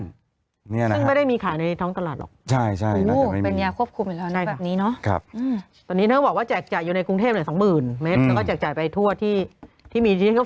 ซึ่งไม่ได้มีขายในท้องตลาดหรอกใช่เป็นยาควบคุมอยู่แล้วแบบนี้เนาะ